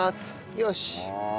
よし。